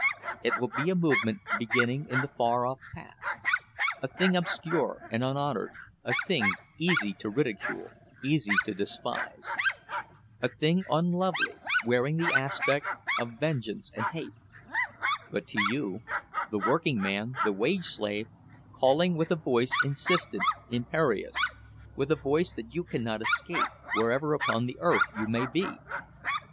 It will be a movement beginning in the far off past, a thing obscure and unhonored, a thing easy to ridicule, easy to despise; a thing unlovely, wearing the aspect of vengeance and hate—but to you, the working man, the wage slave, calling with a voice insistent, imperious—with a voice that you cannot escape, wherever upon the earth you may be!